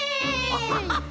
アハハハ！